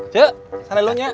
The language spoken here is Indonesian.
yuk sana dulu nya